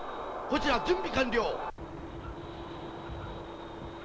こちら準備完了。